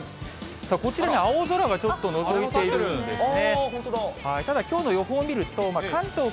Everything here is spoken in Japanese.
こちら、青空がちょっとのぞいているんですね。